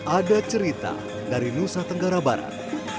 ada cerita dari nusa tenggara barat